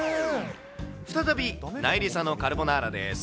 再び、なえりさのカルボナーラです。